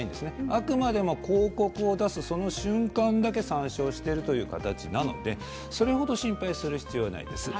あくまでも広告を出す瞬間だけ採集しているという形なのでそれ程心配する必要はありません。